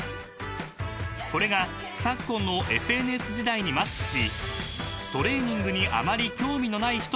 ［これが昨今のＳＮＳ時代にマッチし］